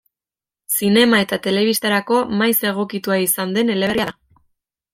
Zinema eta telebistarako maiz egokitua izan den eleberria da.